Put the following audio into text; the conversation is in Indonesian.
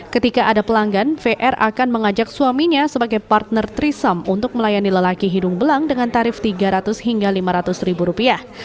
ketika ada pelanggan vr akan mengajak suaminya sebagai partner trisam untuk melayani lelaki hidung belang dengan tarif tiga ratus hingga lima ratus ribu rupiah